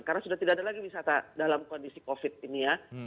karena sudah tidak ada lagi wisata dalam kondisi covid ini ya